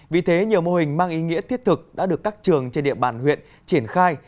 vì thế nhiều mô hình mang ý nghĩa thiết thực đã được các trường trên địa bàn huyện triển khai